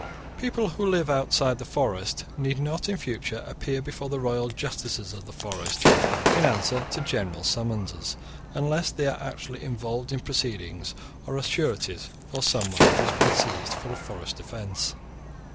(44) People who live outside the forest need not in future appear before the royal justices of the forest in answer to general summonses, unless they are actually involved in proceedings or are sureties for someone who has been seized for a forest offence.